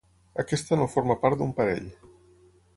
Aquesta no forma part d'un parell.